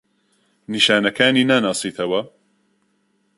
نیشانەکانی ناناسیتەوە؟